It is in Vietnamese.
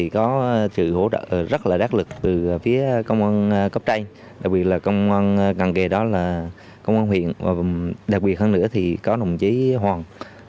cảm ơn đồng chí hoàng